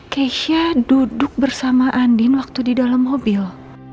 keisha duduk bersama andin waktu di dalam mobil